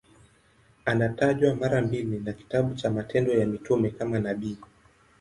Anatajwa mara mbili na kitabu cha Matendo ya Mitume kama nabii.